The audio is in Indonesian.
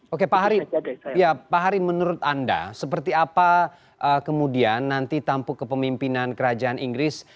oke pak hari menurut anda seperti apa kemudian nanti tampuk kepemimpinan kerajaan inggris